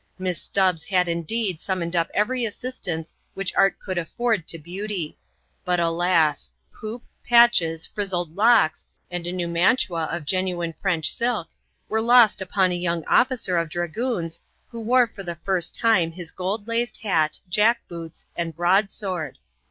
Miss Stubbs had indeed summoned up every assistance which art could afford to beauty; but, alas! hoop, patches, frizzled locks, and a new mantua of genuine French silk, were lost upon a young officer of dragoons who wore for the first time his gold laced hat, jack boots, and broadsword.